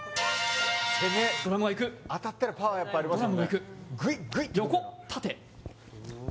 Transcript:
当たったらパワーありますもんね。